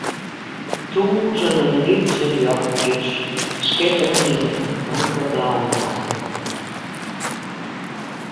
Tûzenen lytse ljochtsjes skitteren yn in donkerblauwe nachtloft.